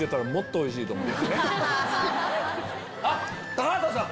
高畑さん